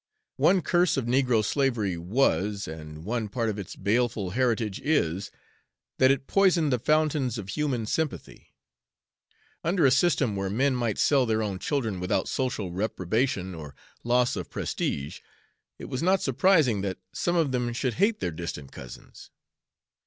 One curse of negro slavery was, and one part of its baleful heritage is, that it poisoned the fountains of human sympathy. Under a system where men might sell their own children without social reprobation or loss of prestige, it was not surprising that some of them should hate their distant cousins.